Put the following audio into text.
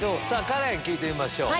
カレン聞いてみましょう。